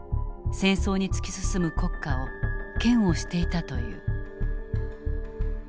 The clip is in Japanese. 戦争に突き進む国家を嫌悪していたという。